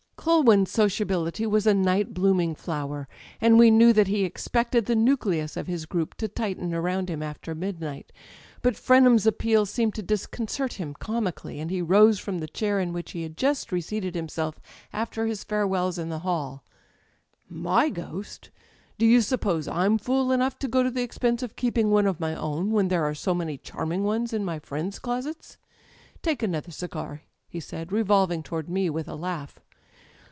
Culwin*s sociability was a night blooming flower, and we knew that he expected the nucleus of his group to tighten around him after midnight. But Frenham's appeal seemed to disconcert him comically, and he rose from the chair in which he had just reseated him self after his farewells in the hall. " Jfy ghost ? Do you suppose I*m fool enough to go to the expense of keeping one of my own, when there are so many charming ones in my friends' closets? â€" Take another cigar," he said, revolving toward me with a laugh.